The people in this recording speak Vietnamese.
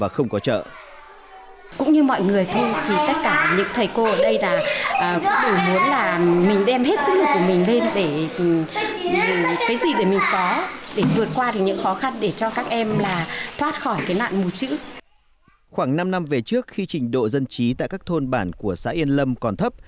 khoảng năm năm về trước khi trình độ dân trí tại các thôn bản của xã yên lâm còn thấp